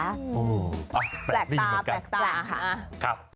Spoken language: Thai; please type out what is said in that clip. อ้าวแปลกตาค่ะ